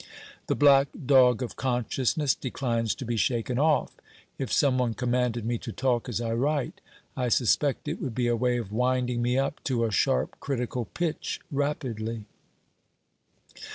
The black dog of consciousness declines to be shaken off. If some one commanded me to talk as I write! I suspect it would be a way of winding me up to a sharp critical pitch rapidly.